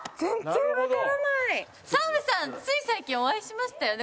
澤部さんつい最近お会いしましたよね